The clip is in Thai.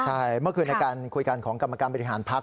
ใช่เมื่อคืนในการคุยกันของกรรมการบริหารพักษ